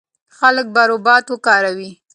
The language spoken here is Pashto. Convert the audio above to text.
خلک به روباټ وکاروي.